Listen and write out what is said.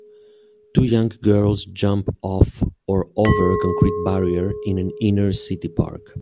Two young girls jump off or over a concrete barrier in an inner city park.